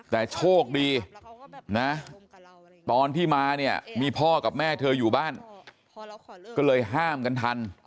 แต่โชคดีนะตอนที่มาเนี่ยมีพ่อกับแม่เธออยู่บ้านก็เลยห้ามกันทัน